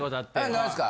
何ですか？